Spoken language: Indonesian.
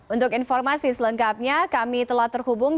untuk informasi selengkapnya kami telah terhubung